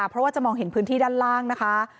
เพราะว่าจะมองเห็นพื้นที่ด้านล่างนะคะ